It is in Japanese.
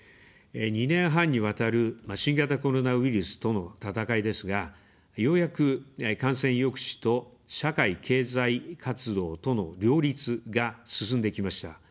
２年半にわたる新型コロナウイルスとの闘いですが、ようやく感染抑止と、社会・経済活動との両立が進んできました。